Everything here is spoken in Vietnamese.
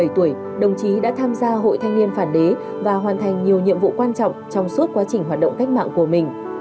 một mươi bảy tuổi đồng chí đã tham gia hội thanh niên phản đế và hoàn thành nhiều nhiệm vụ quan trọng trong suốt quá trình hoạt động cách mạng của mình